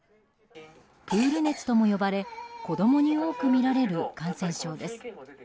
プール熱とも呼ばれ子供に多く見られる感染症です。